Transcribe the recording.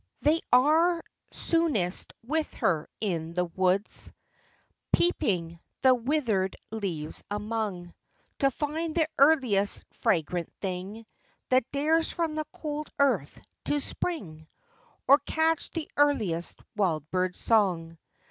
195 They are soonest with her in the woods, Peeping, the wither'd leaves among, To find the earliest fragrant thing That dares from the cold earth to spring, Or catch the earliest wild bird's song.